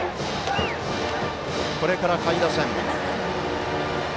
これから下位打線。